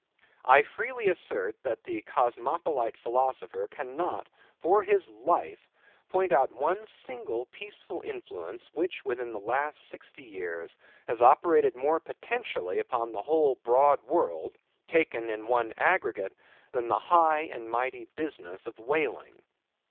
I freely assert, that the cosmopolite philosopher cannot, for his life, point out one single peaceful influence, which within the last sixty years has operated more potentially upon the whole broad world, taken in one aggregate, than the high and mighty business of whaling.